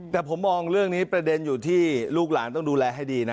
แต่ผมมองเรื่องนี้ประเด็นอยู่ที่ลูกหลานต้องดูแลให้ดีนะ